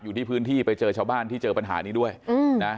อยู่ที่พื้นที่ไปเจอชาวบ้านที่เจอปัญหานี้ด้วยนะ